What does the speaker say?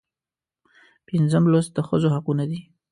پنځم لوست د ښځو حقونه دي.